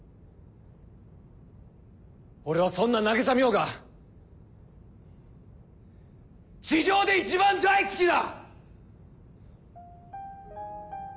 俺はそんな渚海音が地上で一番大好きだ！